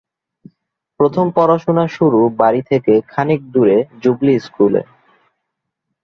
প্রথম পড়াশোনা শুরু বাড়ী থেকে খানিক দুরে জুবিলী স্কুলে।